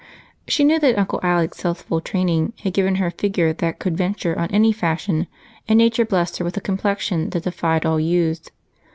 She knew that Uncle Alec's healthful training had given her a figure that could venture on any fashion and Nature blessed her with a complexion that defied all hues.